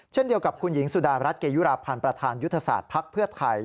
เช่นเดียวกับคุณหญิงสุดารัฐเกยุราพันธ์ประธานยุทธศาสตร์ภักดิ์เพื่อไทย